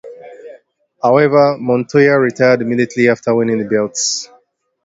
However, Montoya retired immediately after winning the belts.